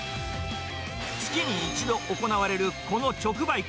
月に１度行われるこの直売会。